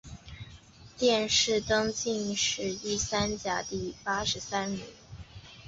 殿试登进士第三甲第八十三名。